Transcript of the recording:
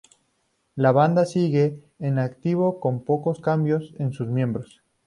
La banda sigue en activo con pocos cambios en sus miembros.